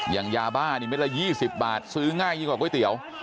อย่างยาบ้านนี่ไม่ได้๒๐บาทซื้อง่ายกว่าก๋วยเตี๋ยว